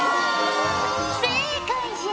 正解じゃ。